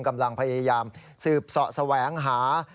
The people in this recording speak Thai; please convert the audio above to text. กำลังพยายามสืบเสาะแสวงหา